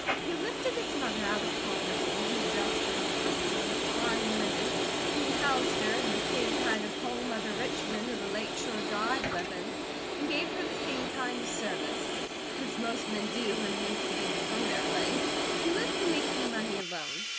He lifted his mother out of poverty, he dressed her 'in purple and fine linen,' he housed her in the same kind of home other rich men of the Lake Shore Drive live in, and gave her the same kind of service. As most men do, when things begin to come their way, he lived for making money alone.